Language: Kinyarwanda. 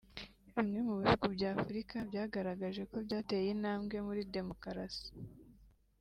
Bimwe mu bihugu bya Afurika byagaragaje ko byateye intambwe muri demokarasi